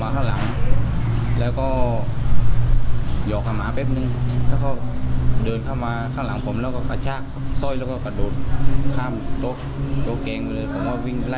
แต่ตั้งคุณเจ๋งรถไว้ค่ะ